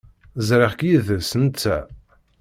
Ẓriɣ-k yid-s netta.